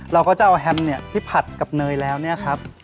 เราก็จะเอาแฮมเนี่ยที่ผัดกับเนยแล้วเนี่ยครับ